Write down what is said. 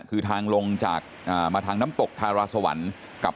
คือทางลงจากมาทางน้ำตกทาราสวรรค์กับ